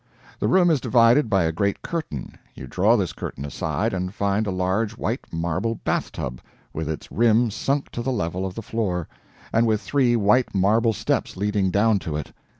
The room is divided by a great curtain; you draw this curtain aside, and find a large white marble bathtub, with its rim sunk to the level of the floor, and with three white marble steps leading down to it.